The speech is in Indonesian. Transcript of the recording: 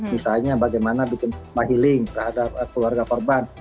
misalnya bagaimana bikin mahiling terhadap keluarga korban